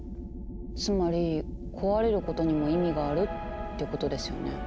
つまり壊れることにも意味があるってことですよね。